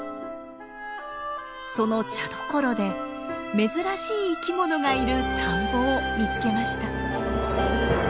その茶どころで珍しい生き物がいる田んぼを見つけました。